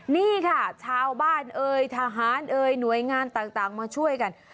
นี่ค่ะชาวบ้านเอ่ยทหารเอ่ยหน่วยงานต่างมาช่วยกัน